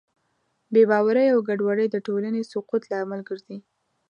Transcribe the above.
بېباورۍ او ګډوډۍ د ټولنې د سقوط لامل ګرځي.